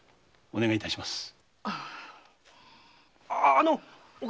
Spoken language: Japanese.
あの！